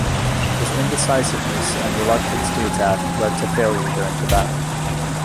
His indecisiveness and reluctance to attack led to failure during the battle.